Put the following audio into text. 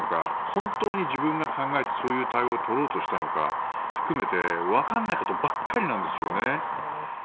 本当に自分が考えてそういう対応を取ろうとしたのか含めてわからないことばかりなんですよね。